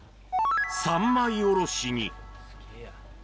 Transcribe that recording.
三枚おろしに。